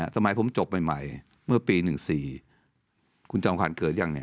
สมัยผมจบใหม่เมื่อปี๑๔คุณจอมขวัญเกิดยังเนี่ย